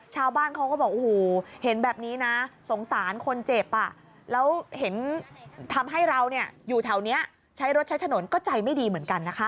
ชาวบ้านเขาก็บอกโอ้โหเห็นแบบนี้นะสงสารคนเจ็บแล้วเห็นทำให้เราอยู่แถวนี้ใช้รถใช้ถนนก็ใจไม่ดีเหมือนกันนะคะ